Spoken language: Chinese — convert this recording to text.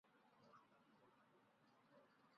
穗叶藤属。